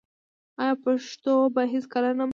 آیا پښتو به هیڅکله نه مري؟